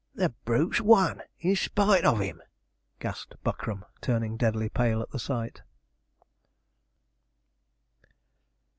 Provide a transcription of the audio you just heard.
'The brute's won, in spite of him!' gasped Buckram, turning deadly pale at the sight.